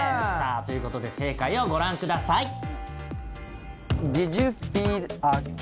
さあということで正解をご覧ください。